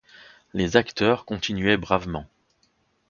Les acteurs continuaient bravement.